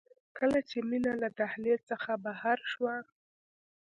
کله چې مينه له دهلېز څخه بهر شوه.